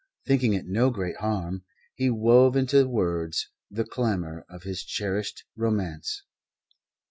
Thinking it no great harm, he wove into words the clamour of his cherished romance.